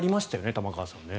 玉川さん。